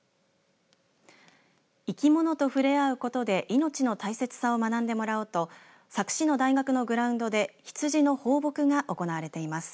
生き物と触れ合うことで命の大切さを学んでもらおうと佐久市の大学のグラウンドでヒツジの放牧が行われています。